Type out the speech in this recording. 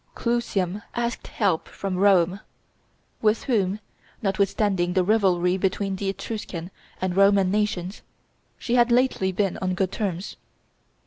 Clusium asked help from Rome, with whom, notwithstanding the rivalry between the Etruscan and Roman nations, she had lately been on good terms.